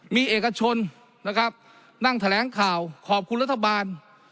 มีเอกชนนะครับนั่งแถลงข่าวขอบคุณรัฐบาล